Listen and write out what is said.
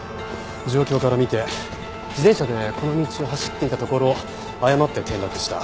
状況から見て自転車でこの道を走っていたところ誤って転落した。